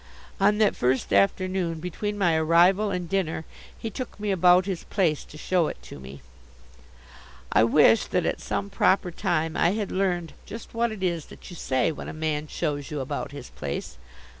On that first afternoon, between my arrival and dinner, he took me about his place, to show it to me. I wish that at some proper time I had learned just what it is that you say when a man shows you about his place.